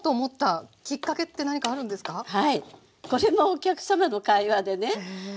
これもお客様の会話でね